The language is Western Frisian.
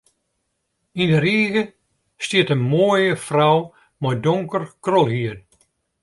Yn de rige stiet in moaie frou mei donker krolhier.